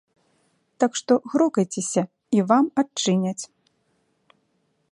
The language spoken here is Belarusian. Так што грукайцеся, і вам адчыняць.